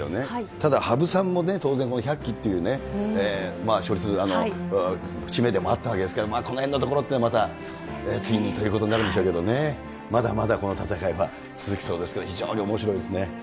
ただ、羽生さんもね、当然、この１００期っていう、勝率、節目でもあったわけですから、このへんのところというのはまた、次にということになるんでしょうけどね、まだまだ、この戦いは続きそうですけど、非常におもしろいですね。